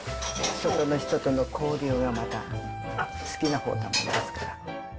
人と人との交流がまた好きなほうだもんですから。